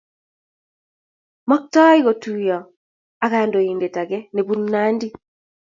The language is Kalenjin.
Maktoii kotuyo ak kandoiindet ake nebunu Nandi